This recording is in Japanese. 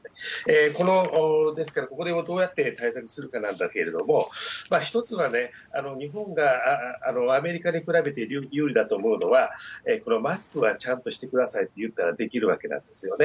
このですから、ここでどうやって対策するかなんだけれども、一つはね、日本がアメリカに比べて有利だと思うのは、このマスクはちゃんとしてくださいといったらできるわけなんですよね。